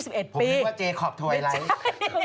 ผมนึกว่าเจขอบถวยไลท์